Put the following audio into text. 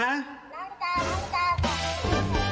ล้างจานล้างจาน